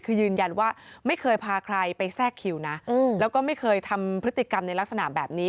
คือยืนยันว่าไม่เคยพาใครไปแทรกคิวนะแล้วก็ไม่เคยทำพฤติกรรมในลักษณะแบบนี้